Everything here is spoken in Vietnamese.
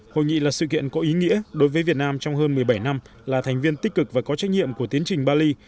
hội nghị là sự kiện có ý nghĩa đối với việt nam trong hơn một mươi bảy năm là thành viên tích cực và có trách nhiệm của tiến trình bali